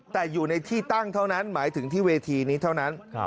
แต่อยู่ในที่ตั้งเท่านั้นหมายถึงที่เวทีนี้เท่านั้น